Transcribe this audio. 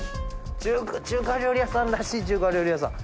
中華料理屋さんらしい中華料理屋さん。